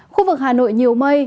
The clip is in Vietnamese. khu vực hà nội nhiều mây